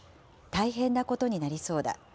大変なことになりそうだ。